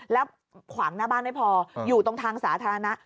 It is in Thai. แล้วขวางหน้าบ้านไม่พออยู่ตรงทางสาธารณะ